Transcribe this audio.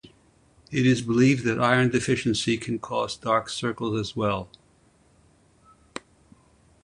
It is believed that iron deficiency can cause dark circles as well.